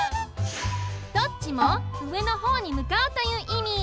どっちもうえのほうにむかうといういみ。